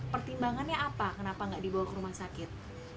pertimbangannya apa kenapa nggak dibawa ke rumah sakit